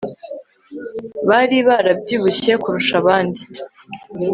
bari barabyibushye kurusha abandi